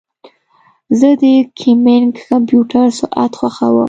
زه د ګیمنګ کمپیوټر سرعت خوښوم.